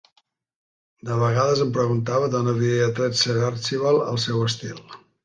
De vegades em preguntava d'on havia tret Sir Archibald el seu estil.